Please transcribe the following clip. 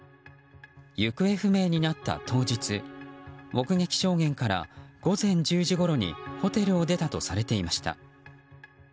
行方不明になった当日目撃証言から午前１０時ごろにホテルを出たとされていました。